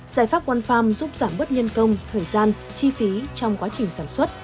giải pháp one farm giúp giảm bớt nhân công thời gian chi phí trong quá trình sản xuất